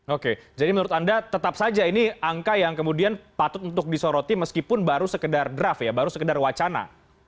oke jadi menurut anda tetap saja ini angka yang kemudian patut untuk disoroti meskipun baru sekedar draft ya baru sekedar wacana